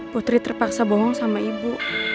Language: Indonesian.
putri terpaksa bohong sama ibu